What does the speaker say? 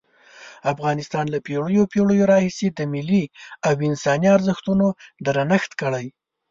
افغانستان له پېړیو پېړیو راهیسې د ملي او انساني ارزښتونو درنښت کړی.